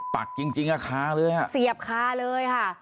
ปากจริงจริงปากคาเลยค่ะเสียบคาเลยค่ะ